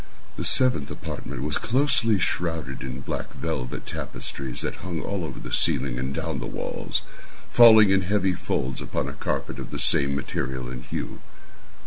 The seventh apartment was closely shrouded in black velvet tapestries that hung all over the ceiling and down the walls, falling in heavy folds upon a carpet of the same material and hue.